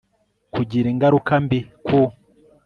kugira ingaruka mbi ku